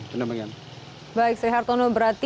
baik saya hartono berarti